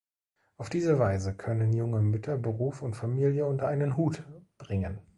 Auf diese Weise können junge Mütter Beruf und Familie unter einen Hut bringen.